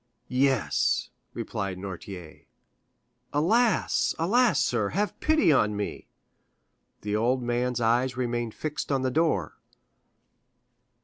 "Yes," replied Noirtier. "Alas, alas, sir, have pity on me!" The old man's eyes remained fixed on the door.